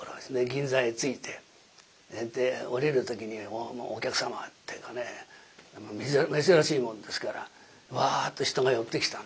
銀座へ着いて降りる時にお客様っていうかね珍しいもんですからワっと人が寄ってきた。